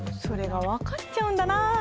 それが分かっちゃうんだな。